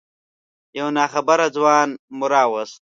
یو ناخبره ځوان مو راوست.